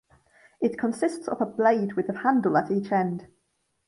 It consists of a blade with a handle at each end.